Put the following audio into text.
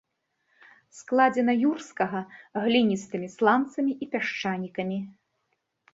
Складзена юрскага гліністымі сланцамі і пясчанікамі.